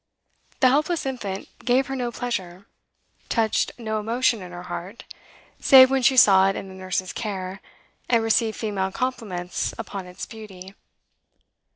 The helpless infant gave her no pleasure, touched no emotion in her heart, save when she saw it in the nurse's care, and received female compliments upon its beauty.